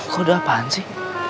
kode apaan sih